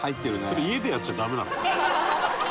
「それ家でやっちゃダメなの？」